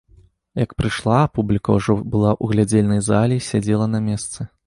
Як прыйшла, публіка ўжо была ў глядзельнай зале й сядзела на месцы.